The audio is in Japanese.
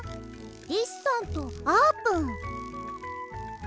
リスさんとあーぷん。